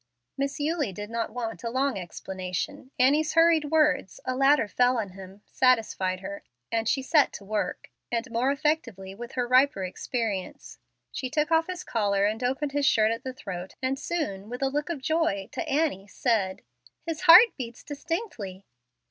Miss Eulie did not want a long explanation. Annie's hurried words, "A ladder fell on him," satisfied her, and she set to work, and more effectively with her riper experience. She took off his collar and opened his shirt at the throat, and soon, with a look of joy, to Annie, said, "His heart beats distinctly."